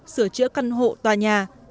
sửa chữa căn hộ tòa nhà